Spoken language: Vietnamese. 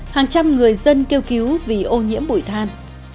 hàng trăm người dân kêu cứu vì ô nhiễm bụi than